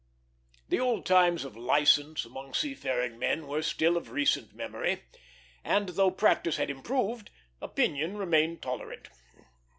The old times of license among seafaring men were still of recent memory, and, though practice had improved, opinion remained tolerant.